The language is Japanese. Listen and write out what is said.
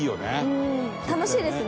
うん楽しいですね。